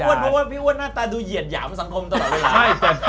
เพราะว่าพี่อ้วนหน้าตาดูเหยียดหยามสังคมตลอดเวลา